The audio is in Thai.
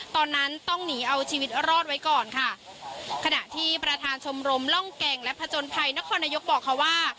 ตอนนั้นต้องหนีเอาชีวิตรอดไว้ก่อนค่ะขณะที่ประธานชมรมร่องแก่งและผจญภัยนครนายกบอกค่ะว่า